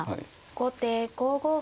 後手５五歩。